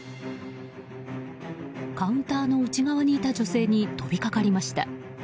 カウンターの内側にいた女性に飛びかかりました。